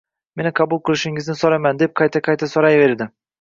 Meni qabul qilishingizni so’rayman, deb qayta-qayta so’rayverdi.